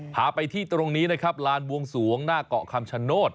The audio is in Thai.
พาไปที่ตรงนี้นะครับลานบวงสวงหน้าเกาะคำชโนธ